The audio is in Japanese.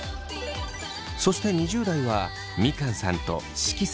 そして２０代はみかんさんと識さん。